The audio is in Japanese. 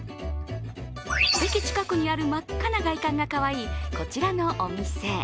駅近くにある真っ赤な外観がかわいいこちらのお店。